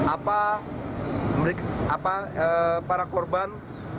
apa para korban